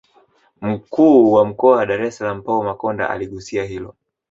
Mkuu wa Mkoa wa Dar es salaam Paul Makonda aligusia hilo